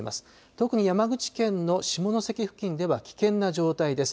特に山口県の下関付近では危険な状態です。